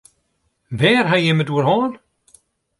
Wêr ha jim it oer hân?